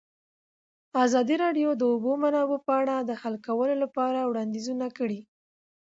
ازادي راډیو د د اوبو منابع په اړه د حل کولو لپاره وړاندیزونه کړي.